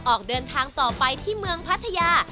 ออกเดินทางต่อไปที่เมืองพัทยา